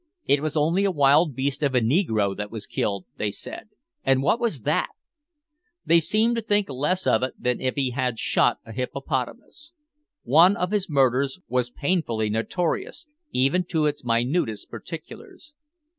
It was only a wild beast of a negro that was killed, they said, and what was that! They seemed to think less of it than if he had shot a hippopotamus. One of his murders was painfully notorious, even to its minutest particulars.